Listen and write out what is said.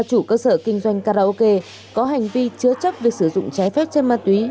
chủ cơ sở kinh doanh karaoke có hành vi chứa chấp việc sử dụng trái phép chân ma túy